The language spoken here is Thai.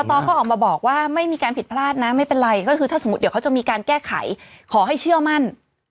ต่อเขาออกมาบอกว่าไม่มีการผิดพลาดนะไม่เป็นไรก็คือถ้าสมมุติเดี๋ยวเขาจะมีการแก้ไขขอให้เชื่อมั่น